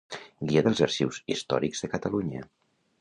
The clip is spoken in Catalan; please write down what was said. Guia dels arxius històrics de Catalunya.